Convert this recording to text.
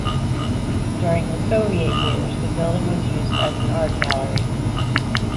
During the Soviet years, the building was used as an art gallery.